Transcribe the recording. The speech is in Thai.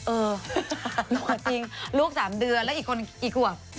หลัวจริงลูก๓เดือนแล้วอีกคนกี่ขวบ